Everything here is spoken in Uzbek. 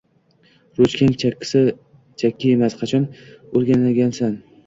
— Ruschang chakki emas. Qachon o‘rgangansan?